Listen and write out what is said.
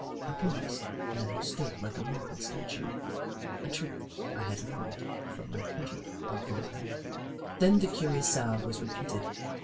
I paused and stood like a marble statue — a trick I had learned from my kindred of the wild. Then the curious sound was repeated.